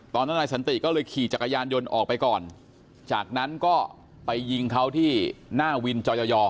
นายสันติก็เลยขี่จักรยานยนต์ออกไปก่อนจากนั้นก็ไปยิงเขาที่หน้าวินจอยอ